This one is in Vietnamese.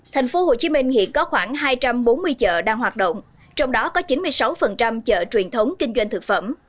tp hcm hiện có khoảng hai trăm bốn mươi chợ đang hoạt động trong đó có chín mươi sáu chợ truyền thống kinh doanh thực phẩm